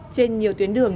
trên nhiều tuyến đường